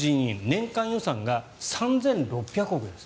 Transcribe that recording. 年間予算が３６００億です。